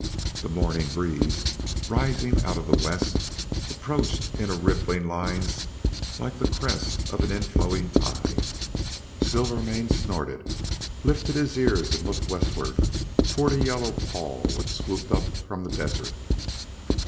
The morning breeze, rising out of the west, approached in a rippling lines like the crest of an inflowing tide. Silvermane snorted, lifted his ears and looked westward toward a yellow pall which swooped up from the desert.